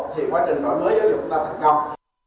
thì quá trình đổi mới giáo dục chúng ta thành công